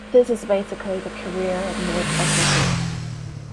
This is basically the career mode of the game.